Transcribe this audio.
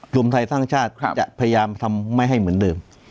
รวมไทยสร้างชาติจะพยายามทำไม่ให้เหมือนเดิม